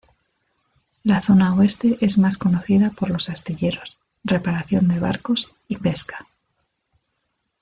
La zona Oeste es más conocida por los astilleros, reparación de barcos y pesca.